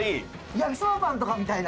焼きそばパンとかみたいな。